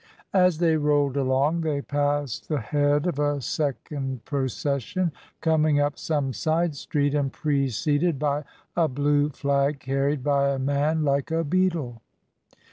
As they rolled along, they passed the head of a second procession coming up some side street, and preceded by a blue flag carried by a man like a beadle.